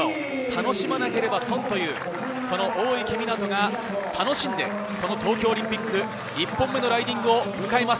楽しまなければ損という、大池水杜が楽しんで東京オリンピック１本目のライディングを迎えます。